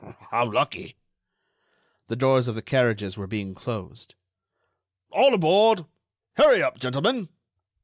"How lucky!" The doors of the carriages were being closed. "All aboard. Hurry up, gentlemen!"